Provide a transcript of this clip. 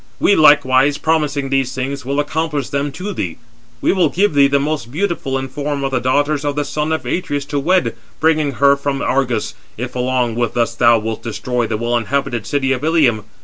We likewise, promising these things, will accomplish them to thee. We will give thee the most beautiful in form of the daughters of the son of Atreus to wed, bringing her from Argos, if along with us thou wilt destroy the well inhabited city of Ilium.